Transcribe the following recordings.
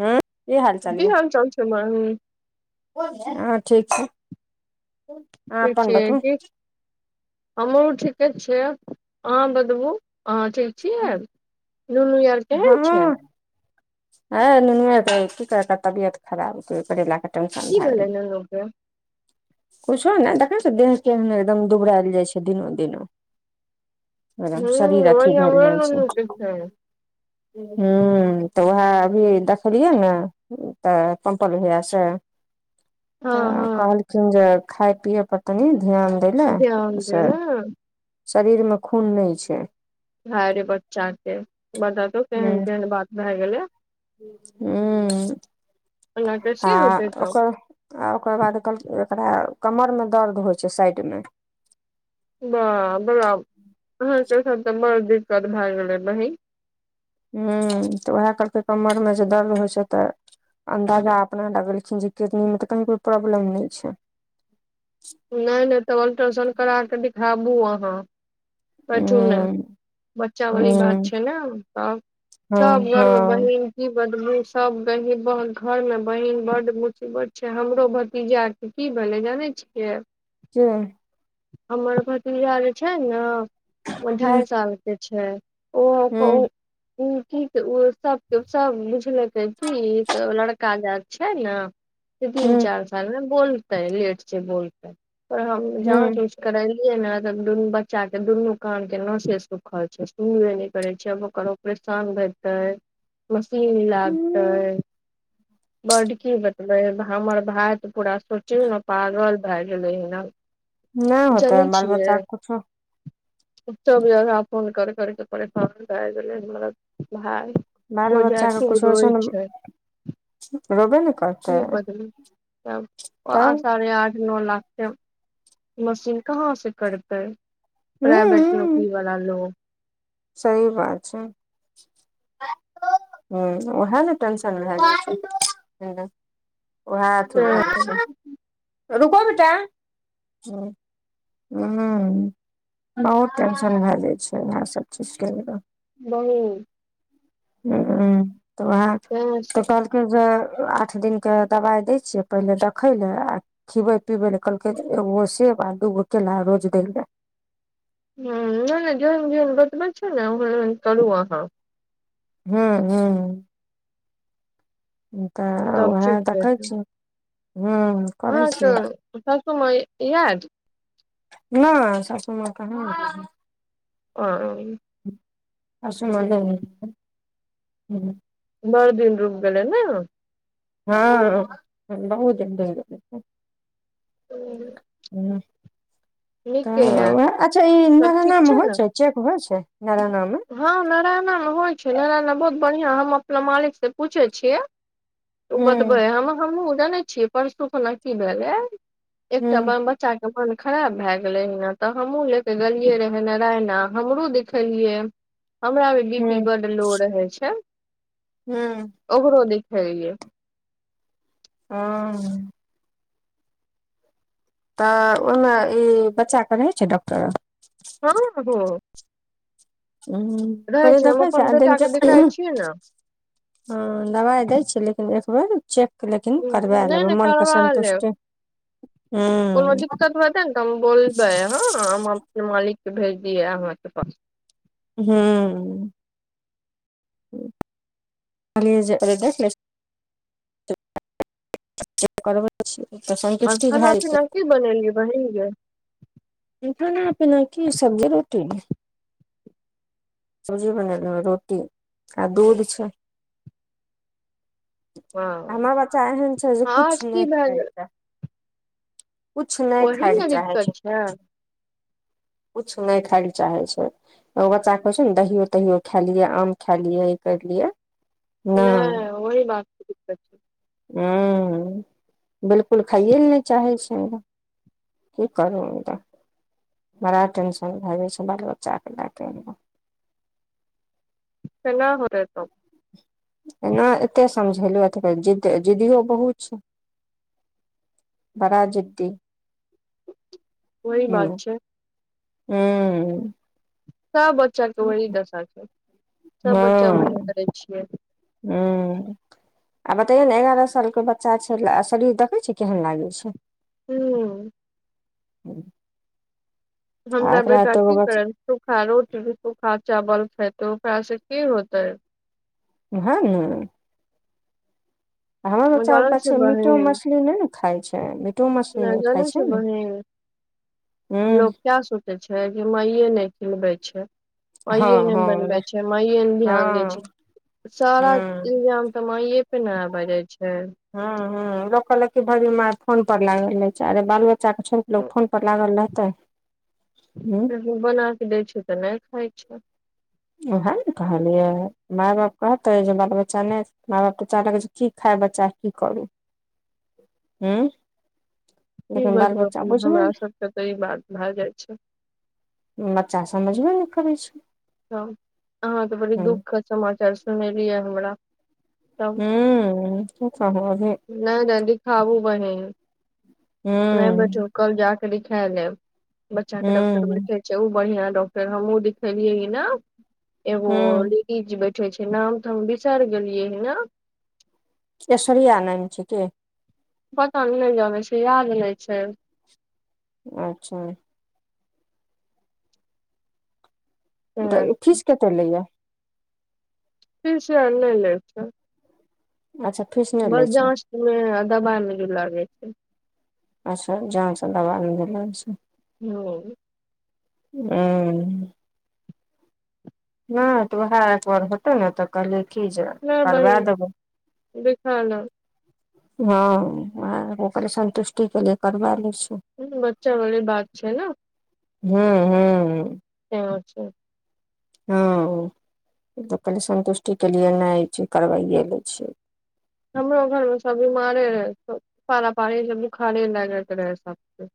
हँ की हाल कि हाल चाल छै माहि। ह ठीक छै अहाँ ठीक अपन छी बतबू कि हमहूँ ठीके छिय अहाँ बतबु अहाँ ठीक छीयै तबियत खराब ओकरे लऽ के टेन्शन की भऽ भेलै गेल नुनू के किछो नहि देखैत छिए देह तेह एकदम दुबराइल जाइ छै दिनो दिनो। हूँ शरीर अथी वही भेल हमरो जाइ छै। नुनू के ह तऽ उएह अभी देखलियै ने त भैया से हँ त हँ कहलखिन जे खाय पिये पर तनी ध्यान ध्यान दियौ से ने शरीरमे खून नहि छै हाइरे बच्चा के बताउ केहन केहन बात भए गेलै हू एना कैसे आ होतै तब ओकर हा ओकर बाद कहल एकरा कमर मे दर्द होइ छै साइड मे अहाँकेँ त एखन बड़ दिक्कत भए गेलै बहिन हूँ तऽ उएह कहलकै कमरमे जे दर्द होइ छै तऽ अन्दाजा अपना लगेलखिन जे किडनी मे तऽ कनिको प्रॉब्लम नहि छै नहि नहि तऽ अल्ट्रासाउंड करा कऽ दिखाबू अहाँ कथु ने हूं बच्चावाली बात हूं छै ने तऽ सभ हँ हँ बहिन ई सभ गरीब घरमे बहिन बड मुसीबत छै हमरो भतीजा कि भेलै जानै छियै जे हमर भतीजा जे छै न हूं ढ़ाइ साल के छै हूं सभ बुझलकै कि लड़का द छै ने से तीन हूं चार साल मे बोलतै लेट से बोलतै पर हम हूं करेलियै न त दुनु बच्चा तऽ दुनू कान के नसेे सुखल छै सुनबे नै करै छै आब ओकर आँपरेशान भेतै मशीन लादतै हूं [inaudible] बडकी बतबइ है हमर भाइ त पूरा सोचियौ न पागल भए गेले हन नै होतै बाल बच्चा के कुछो [unintelligible] फोन कर कर के परेशान भए गेलै हमरा भाय बाल बच्चा [unintelligible] के खू कुछो होइ रोय ने छै रोबे ने करतै कि बदलु त आब ओ आठ तब सारे आठ न लाखके मशीन कहाँ से करतै हूं प्राइवेट नौकरी वला लोक सही बात छै हूँ उएह नऽ टेंशन भऽ जाइ छै हूँ ओहए अथु भ गेल तें छै रुकोबेटा हूं बहुत टेंशन भए जाइ छै इहै सब [unintelligible] बहुत हूँ तऽ वह तें तऽ से ह कहल जे आठ दिनके दबाइ दै छियै पहिले देखै लए आ खिबै पिबै नै कहलकै एगो सेव दूगो केला रोज दै ला हूँ नै नै जेहन जेहन बतबै छै ने ओहेन ओहेन करू अहाँ हूँ हूँ तऽ तब उएह ठीक देखै छीयौ हूँ आहाँ के सासु मा याद नय शाशु मा कहाँ अबै है ओ अस म ह [unintelligible] बड़दिन रुक गेलै नयहाँ हँ बहुत दिन रैह गेलै त [unintelligible] हूँ य तऽ अच्छा ई सब नाना ठीक नामे ने होइ छै चेक हो छै नाना नामे हँ नारायना मे होइ छै नारायना बहुत बढ़िआँ हम अपना मालिक से पूछै छियै ओ हूँ बतबै हम हमहुँ जानै छियै परसू खोना की भेलै एकटा हूँ बर बचा मन खराब भए गेलै ने तऽ हमहूँ ले के गेलियै रहै नारायणा हमरो दिखेलियै हमरा मे बी हूँ पी बड लो रहइ छै हूँ ओकरो देखए हँ तऽ ओईमे ई बच्चा के रहै छै डॉक्टर हँ ह [unintelligible] हूँ पहिले हम देखै छै अपन आध बेटा दिन के देखाइ छियै ने हँ दबाइ दै छै लेकिन एक बेर चेक लेकिन करबा नहि लेबै नहि मनके करबा लेब संन्तुष्टी कोनो दिक्कत होतै ने तऽ हम बोलबै हँ हम अपने मालिकके भेज दियै अहाँकेँ पास हू। देख [unintelligible] करबै छियै तऽ सन्तुष्टि भए जेतै। कि बनल ब हने खाना पीना कि सब्जी रोटी सजी बनल रोटी आ दूध छै। हँ हमरा बच्चा एहन छै जे आज कुछु की नहि भए खाय गेल छै किछु नहि वही खाय लऽ ने चाहे दिक्कत छै किछु नहि खाय लऽ चाहे छै ओ बच्चा के होइ छै ने दहियो तहियो खायए लिये आम खााय लियै करलियै नहि वहि बात के दिक्कत छै हू बिल्कूल खाइए ल नहि चाहै छै। कि करू बड़ा टेंशन भए जाइ छै बाल बच्चाके लै कै। केना हो रह तऽ एना एते समझेलहु कह जिद् जिद्दियो बहुत छै। बडा जडी वही ह बात छै ह सभ बच्चाके वही दशा छै सभ बच्चा वही करै छियै हू। आ बतैयौ ने एगारह साल के बच्चा छै शरीर देखै छै केहन लागै छै हूँ। आ हमरा एकरा बेटा तऽ कि करल? सूखा रोटी सूखा चावल खेतै ओकरा से कि होतै। ओहे ना बच्चा जान छै बच्चा बहन मीटो मछली नहि ने खाइ छै मीटो मछली न नहि खाइ जानै छै ने बहन ह लोक कऽ सोचै छै कि मइए नहि खिलबै छै। माइये हँ ने हँ बनबे छै माइये ने ध्यान दै हँ छय। सारा हँ इल्जाम त माइ पे ने आब जाइ छै। ह लोक कहलक भगी मार फोन पर लागल रहे छै बाल बच्चा बच्चा के छोड़ कऽ फोन पर लागल रहतै? लेकिन बना के दै छै तऽ नहि खाइ छै। उएह ने कहलियै माय बाप कहते जे बाल बच्चा नहि माय बाप तऽ चाहल कऽ कि खाय बच्चा की करू ह ई लेकिन बाल बतब बच्चा बुझबे हमरा सभके तऽ ई बात भए जाइ छै। बच्चा समझबे नहि करै छै। हँ अहाँकेँ बड़ी ह दुखके समाचार सुनेलिय हमरा। तब हू उ ही नहि नहि दिखाबू बहिन हू नहि बैठ कल जऽ के दिखा लेब बच्चा के डॉक्टर ह बैठ ओ बढ़िया डॉक्टर हमहुँ दिखेलियए ह ने एगो ल हूँ लेडीज बैठे छै नाम तऽ हम बिसार गेलियै ह नाम ऐश्वर्या नाम छै क पता ने नहि जानै छै याद नहि छै। अच्छा। त तें फीस कते लेया। तीन सौ अ लऽ ले छ। अच्छा फिर। बड़। जाँच मे आ दबाई मे भी लागे छै अच्छा जाँच दबाइ मे भी लागय छय। यो। ह। न तो ओहे त। तब ने त कहलियै की जे नहि करबा बहिन देबै। देखा ल हँ ओहे ओकरे संन्तुष्टि। के लिए करबा लै छी। ह बच्चा वाली बात छै। ने हूँ हूँ। सेहै छै। हँ त कहलै सन्तुष्टिके लिए नहि छै। करबाइए लै छियै। हमरो घोर मे सभ बिमारे रहै पारा पारी बोखारे लागैत रहै सभ के।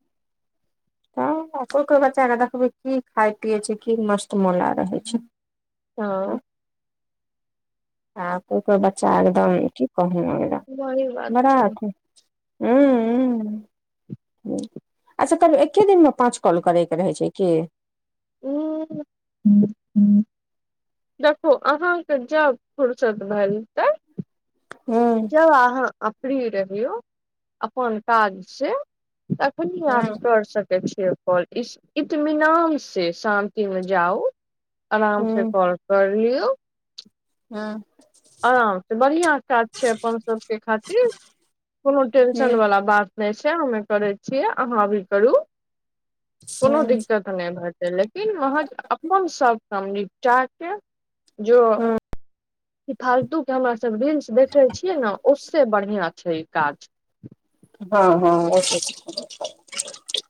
तऽ कोय कोय बच्चा के देखबै की खाय पियए छै। की मस्त मोला रहै छै। हँ। हँ को बच्चा एकदम की कहू वही एकदम बात बड़ा छै अथि। हू हू। अच्छा करौ एके दिन मे पाँच कॉल करे के रहै छै। की। हू। देखो अहाँ। के जा फूर्सत भए जेतै। हूँ जब अहाँ फ्री रहियौ अपन काज से। कखिनिये अहाँ हँ हूँ कर सकै छिय। ओर इस इतमिनान से शान्त मे जाउ। आराम से हूँ कॉल कर लियौ। हँ। आराम से बढ़िया काज छै। अपन सभ के खातिर कोनो टेशन वालला बात। नहि से हमे करै छियै अहाँ भी करु कोनो दिक्कत नहि भेत लेकिन। तन महज अपन सभ क निपटा के जो। हूँ ई फालतू के हमरा सभ रील्स देखे छिये ने ओसे बढ़िया छै। ई काज हँ हँ।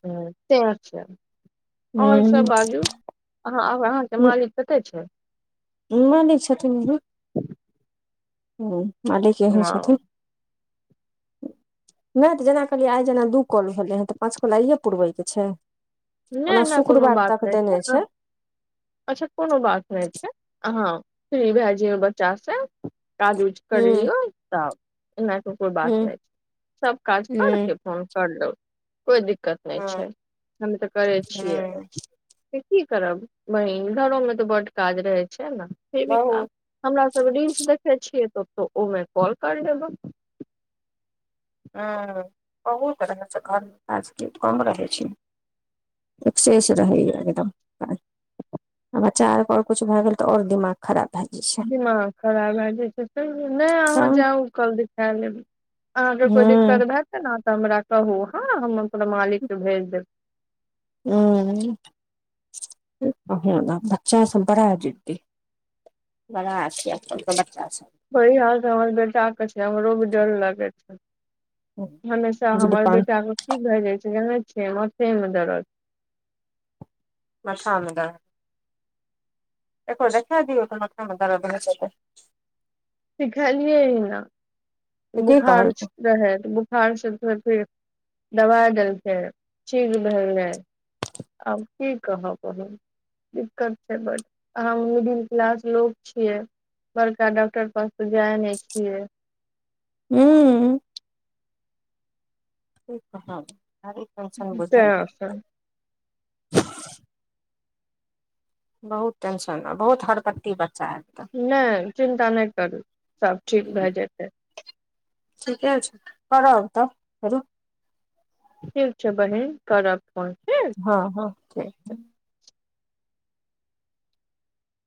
ह त छै। आओर सभ बाजू अह अहाँके मालिक कते छै। मानै छथिन। ह मालिक एहन छथिन। हँ, नहि तऽ जेना कहलियै आइ जेना दू कल भेलै हे तऽ पाँच कल आइए पुरबैके छै। नहि ओना नहि कोनो शुक्रवार बात तक नहि देने अहाँ- छै। अच्छा कोनो बात नहि छै। अहाँ फ्री भए जयौ बच्चा से। काज कुज हूँ करलियऔ तना। कोइ बात हूँ नहि छै। सभ काज हूँ करके फोन कर लो कोइ दिक्कत। नहि हँ छै। हम तऽ करै छियै हँ से की करब। वही घरोमे तऽ बड काज रहै छै। ने फ भी काम बहुत हमरा सभ रीलस देखे छियै त ओहिमे कॉल कर देब। ह बहुत रहै छै। घोर में काज कम रहै छै। एक शेष रहैय एकदम अ चारर कछु भए गेल तऽ औरबिमारी खराब भए जाइ छै दिमाग खराब भए जाइ छै नहि तऽ अहाँ हूँ जाउ कल देखा लेब अहाँके कोइ दिक्कत भएतै ने तऽ हमरा कहू हँ हम अपरा मालिकके भेज देब हू भ्षण सपराा दी [inaudible] [inaudible] बड़ा आ छै त बच्चा वहि हाल त हमर बेटााके छै हमरो भी डर लागे छै हमेशा हमर जिद्दपन बेटाके की भए जाइ छै जानै छियै माथेमे दरद मद एो देखा दियऔ को मखमे दर भेलै सिखलियै न से की बोखार कहलकै रहै बोखारसँ फेर दबाइ देलखै ठीीक भेले आब की कहबब दिक्कत छै ब अह मिडिल क्लास लोग छियै बड़का डॉक्टर प त जाय ने छियै हूँ र [inaudible] [inaudible] त [inaudible] बहुत टेंशन ह बहुत हरकत्ती बच्चा ह नहि चिन्ता नहि करू सब ठीक के भए जेतै ठीके छै करब तब करू ठीक छै बहिन करब फोन हँ हँ ठीक छै